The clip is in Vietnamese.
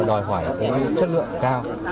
đòi hỏi với chất lượng cao